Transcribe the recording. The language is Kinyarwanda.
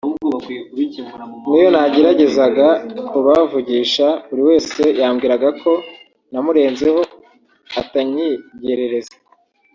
n’iyo nageragezaga kubavugisha buri wese yambwiraga ko namurenzeho atanyigerereza